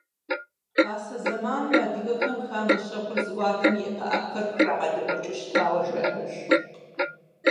Пасэ зэманым адыгэхэм хамэ щэхур зыӀуатэм и пыӀэпхэр пхрагъэлыгъукӀыу щытауэ жаӀэж.